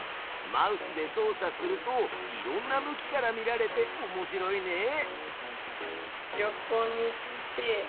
マウスで操作するといろんな向きから見られておもしろいね！